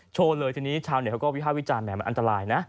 โชว์เลยทีนี้ชาวเน็ตเขาก็วิภาควิจารณแหมันอันตรายนะ